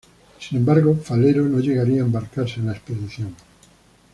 Sin embargo, Falero no llegaría a embarcarse en la expedición.